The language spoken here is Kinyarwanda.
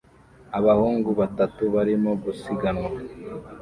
Abahungu batatu barimo gusiganwa